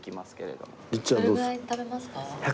どれぐらい食べますか？